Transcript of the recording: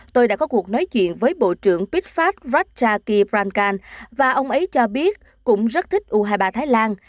tôi đã có cuộc nói chuyện với bộ trưởng pithfat ratchakitprakarn và ông ấy cho biết cũng rất thích u hai mươi ba thái lan